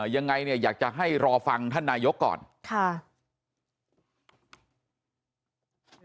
ยังไงเนี่ยอยากจะให้รอฟังท่านนายกรัฐมนตรีก่อน